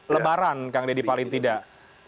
lebaran kang deddy paling tidak